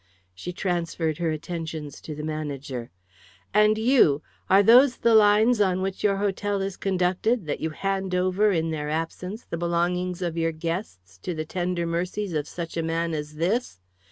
She transferred her attentions to the manager. "And you are those the lines on which your hotel is conducted, that you hand over, in their absence, the belongings of your guests to the tender mercies of such a man as this?